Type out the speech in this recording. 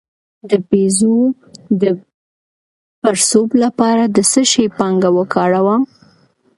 د بیضو د پړسوب لپاره د څه شي پاڼه وکاروم؟